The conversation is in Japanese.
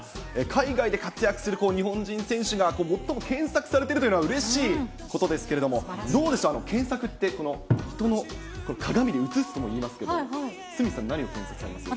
海外で活躍する日本人選手が最も検索されているというのはうれしいことですけれども、どうでしょう、検索って、人の鏡に映すといいますけど、鷲見さん、何を検索されます？